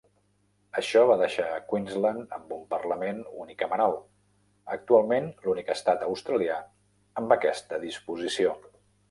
Això va deixar a Queensland amb un parlament unicameral, actualment l'únic estat australià amb aquesta disposició.